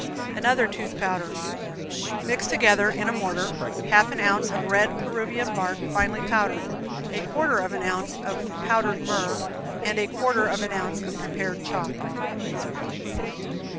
Another Tooth Powder. Mix together, in a mortar, half an ounce of red Peruvian bark, finely powdered, a quarter of an ounce of powdered myrrh, and a quarter of an ounce of prepared chalk.